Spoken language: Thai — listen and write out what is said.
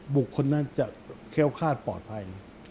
บุคคลนั้นจะแค้วคาดปลอดภัย